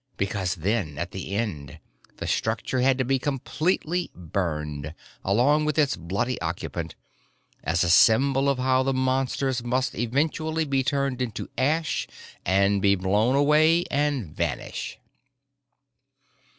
Because then, at the end, the structure had to be completely burned along with its bloody occupant as a symbol of how the Monsters must eventually be turned into ash and be blown away and vanish.